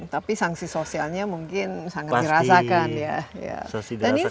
tapi sanksi sosialnya mungkin sangat dirasakan ya